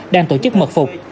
đang tổ chức mật phục